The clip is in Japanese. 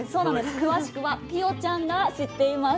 詳しくはピオちゃんが知っています。